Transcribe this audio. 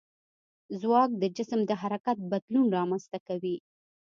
ځواک د جسم د حرکت بدلون رامنځته کوي.